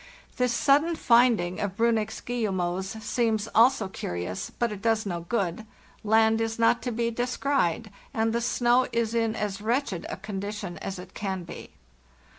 This sud den finding of Briinnich's guillemots seems also curt ous, but it does no good. Land is not to be descried, and the snow is in as wretched a conditien as it can be.